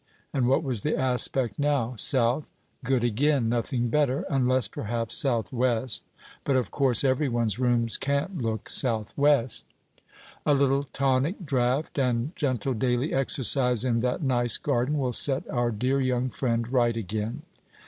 and what was the aspect now, south? good again! nothing better, unless, perhaps, south west; but, of course, everyone's rooms can't look south west. A little tonic draught, and gentle daily exercise in that nice garden, will set our dear young friend right again.